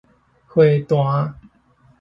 花壇